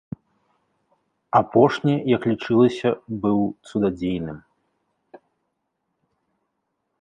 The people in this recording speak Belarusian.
Апошні, як лічылася, быў цудадзейным.